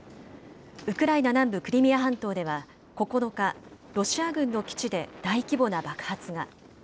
ウクライナ南部クリミア半島では、９日、ロシア軍の基地で大規模な爆発が。